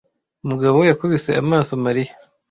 Mugabo yakubise amaso Mariya